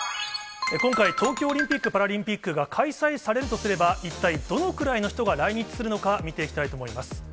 今回、東京オリンピック・パラリンピックが開催されるとすれば、一体どのくらいの人が来日するのか、見ていきたいと思います。